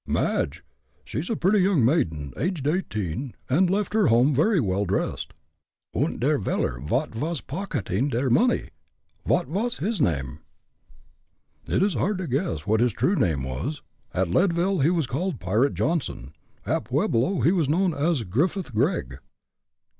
"Madge. She is a pretty young maiden, aged eighteen, and left her home very well dressed." "Und der feller vot vas pocketing der money vot vos his name?" "It is hard to guess what his true name was. At Leadville he was called Pirate Johnson at Pueblo he was known as Griffith Gregg."